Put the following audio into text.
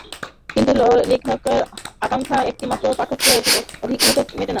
কিন্তু লেখকের আকাঙক্ষা একটিমাত্র পাঠকে অধিকদিন মেটে না।